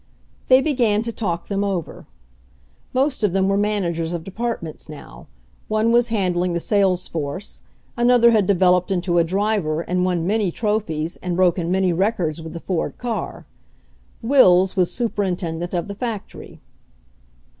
They began to talk them over. Most of them were managers of departments now; one was handling the sales force, another had developed into a driver and won many trophies and broken many records with the Ford car; Wills was su perintendent of the factory.